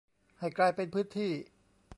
ให้กลายเป็นพื้นที่